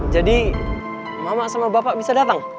jadi mama sama bapak bisa datang